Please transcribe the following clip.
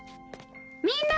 みんな！